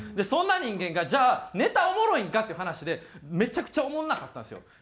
そんな人間がじゃあネタおもろいんかっていう話でめちゃくちゃおもんなかったんですよ。